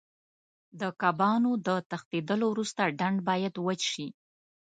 د کبانو د تښتېدلو وروسته ډنډ باید وچ شي.